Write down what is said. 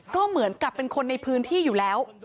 ก็เหมือนกับเป็นคนในพื้นที่อยู่แล้ว